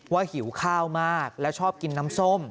หิวข้าวมากแล้วชอบกินน้ำส้ม